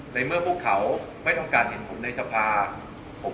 ในเมื่อพวกเขาไม่ต้องการเห็นผมในสภาพุทธแห่งวัฒนศาสดร